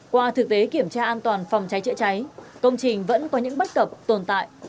qua thực tế kiểm tra an toàn phòng cháy chữa cháy công trình vẫn có những bất cập tồn tại